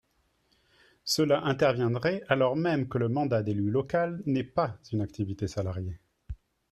Cela interviendrait alors même que le mandat d’élu local n’est pas une activité salariée.